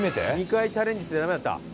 ２回チャレンジしてダメだった？